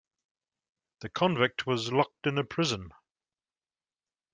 The convict was locked in a Prison.